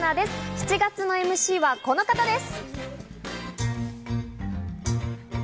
７月のＭＣはこの方です。